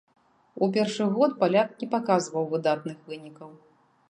У першы год паляк не паказваў выдатных вынікаў.